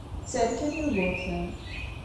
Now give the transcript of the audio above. Tter kan Yugurten.